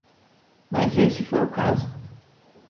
Mas esse foi o caso.